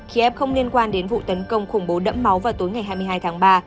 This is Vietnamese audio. kiev không liên quan đến vụ tấn công khủng bố đẫm máu vào tối hai mươi hai tháng ba